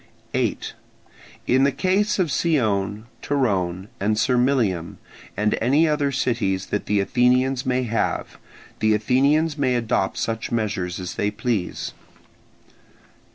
8. In the case of Scione, Torone, and Sermylium, and any other cities that the Athenians may have, the Athenians may adopt such measures as they please.